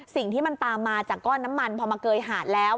สิ่งที่มันตามมาจากก้อนน้ำมันพอมาเกยหาดแล้ว